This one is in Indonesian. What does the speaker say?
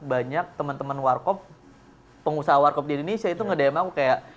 banyak teman teman wargop pengusaha wargop di indonesia itu ngedeem aku kayak